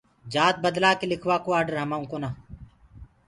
جآت بدلآ ڪي لِکوآ ڪو آڊر همآنٚڪو ڪونآ۔